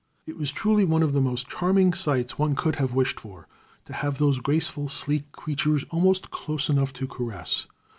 It was truly one of the most charming sights one could have wished for, to have those graceful, sleek creatures almost close enough to caress.